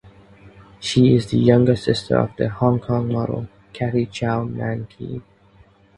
She is the younger sister of the Hong Kong model Kathy Chow Man Kei.